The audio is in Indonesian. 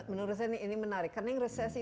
menurut saya ini menarik karena yang resesi